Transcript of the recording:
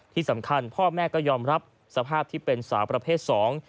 ที่สำคัญพ่อแม่ก็ยอมรับสภาพที่เป็นสาวประเภทสอง